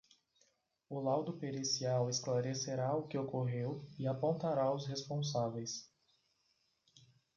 O laudo pericial esclarecerá o que ocorreu e apontará os responsáveis